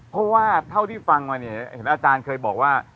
เพราะว่าตั้งที่ฟังมามีอาจารย์เคยบอกว่า